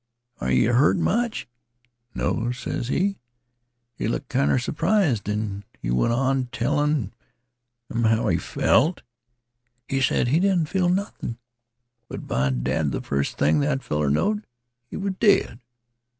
Are yeh hurt much? 'No,' ses he. He looked kinder surprised, an' he went on tellin' 'em how he felt. He sed he didn't feel nothin'. But, by dad, th' first thing that feller knowed he was dead.